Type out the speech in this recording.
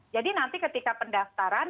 jadi nanti ketika pendaftaran